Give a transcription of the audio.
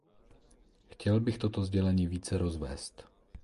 Chtěl bych toto sdělení více rozvést.